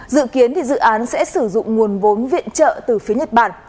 dự kiến dự án sẽ sử dụng nguồn vốn viện trợ từ phía nhật bản